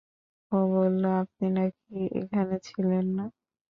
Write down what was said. ও বলল, আপনি নাকি এখানে ছিলেন না।